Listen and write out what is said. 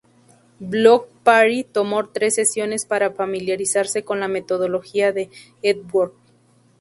Bloc Party tomó tres sesiones para familiarizarse con la metodología de Epworth.